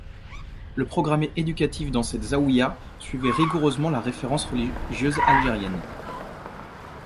Le programme éducatif dans cette Zaouïa suivait rigoureusement la Référence religieuse algérienne.